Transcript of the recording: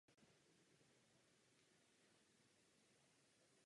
Hned poté onemocněla a zemřela o několik týdnů později.